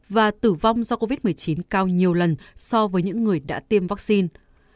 và tử vong do covid một mươi chín cao nhiều lần so với những người đã tiêm vaccine